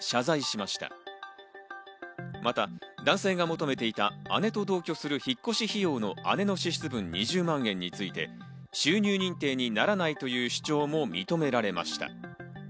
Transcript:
また男性が求めていた姉と同居する引っ越し費用の姉の支出分２０万円について、収入認定にならないという主張も認められました。